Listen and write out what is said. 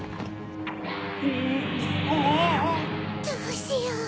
どうしよう。